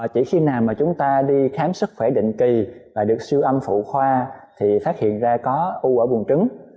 chỉ khi nào mà chúng ta đi khám sức khỏe định kỳ và được siêu âm phụ khoa thì phát hiện ra có u ở buồn trứng